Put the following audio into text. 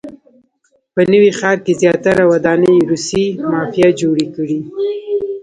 په نوي ښار کې زیاتره ودانۍ روسیې مافیا جوړې کړي.